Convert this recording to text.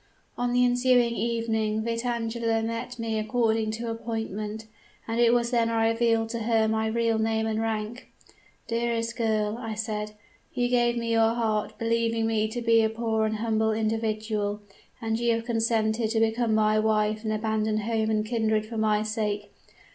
"On the ensuing evening Vitangela met me according to appointment, and it was then I revealed to her my real name and rank. "'Dearest girl,' I said, 'you gave me your heart, believing me to be a poor and humble individual; and you have consented to become my wife and abandon home and kindred for my sake.